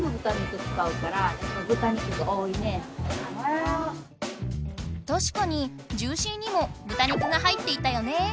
たしかにジューシーにもぶた肉が入っていたよね。